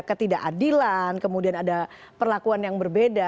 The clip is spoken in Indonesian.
ketidakadilan kemudian ada perlakuan yang berbeda